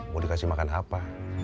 mau dikasih makan apa